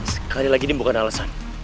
sekali lagi ini bukan alasan